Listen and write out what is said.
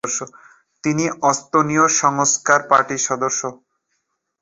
তিনি এস্তোনীয় সংস্কার পার্টির সদস্য।